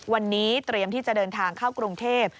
วันนี้เตรียมที่จะเดินทางเข้ากรุงเทพ